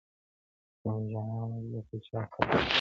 چي مي جانان مجلس له چا سره کوینه٫